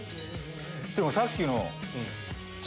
でもさっきの。